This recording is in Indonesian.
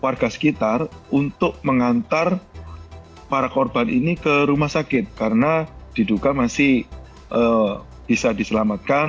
warga sekitar untuk mengantar para korban ini ke rumah sakit karena diduga masih bisa diselamatkan